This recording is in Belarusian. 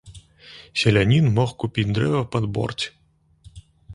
Селянін мог купіць дрэва пад борць.